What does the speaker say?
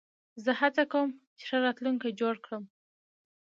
زه هڅه کوم، چي ښه راتلونکی جوړ کړم.